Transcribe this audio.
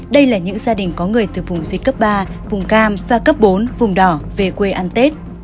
đây là những gia đình có người từ vùng dịch cấp ba vùng cam và cấp bốn vùng đỏ về quê ăn tết